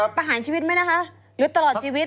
ประหารชีวิตไหมนะคะหรือตลอดชีวิต